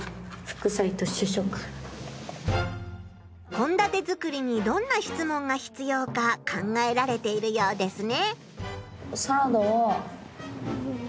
こんだて作りにどんな質問が必要か考えられているようですね。